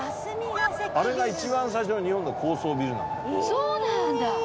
あれが一番最初の日本の高層ビルなんだよ。